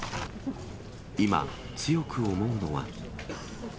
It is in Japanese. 今、強く思うのは。